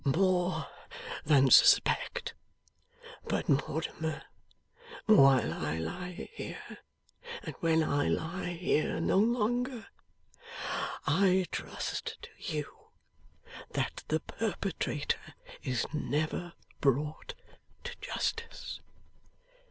'More than suspect. But, Mortimer, while I lie here, and when I lie here no longer, I trust to you that the perpetrator is never brought to justice.